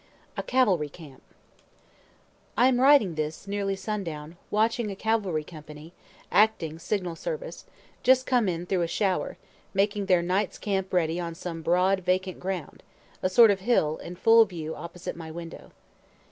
A CAVALRY CAMP I am writing this, nearly sundown, watching a cavalry company (acting Signal service,) just come in through a shower, making their night's camp ready on some broad, vacant ground, a sort of hill, in full view opposite my window.